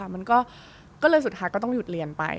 มันก็เลยสุดท้ายก็ต้องหยุดเรียนไป